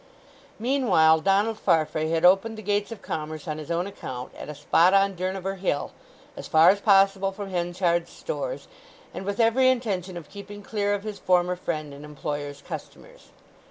Meanwhile Donald Farfrae had opened the gates of commerce on his own account at a spot on Durnover Hill—as far as possible from Henchard's stores, and with every intention of keeping clear of his former friend and employer's customers.